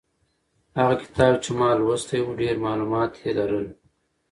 هغه کتاب چې ما لوستی و ډېر معلومات یې لرل.